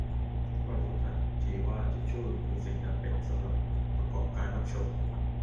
ก็รู้ทันทีว่าทิชชูคือสิ่งจำเป็นสำหรับประกอบการรับชม